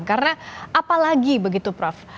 karena apalagi begitu prof